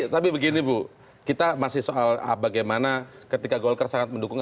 tapi begini bu kita masih soal bagaimana ketika golkar sangat mendukung